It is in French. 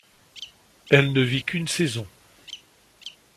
Elle ne vit qu’une saison.